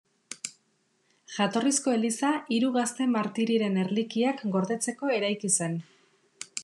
Jatorrizko eliza hiru gazte martirien erlikiak gordetzeko eraiki zen.